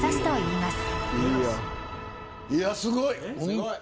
いや、すごい。